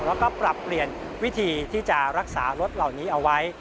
แล้วก็ปรับเปลี่ยนวิธีที่จะรักษารถเหล่านี้เอาไว้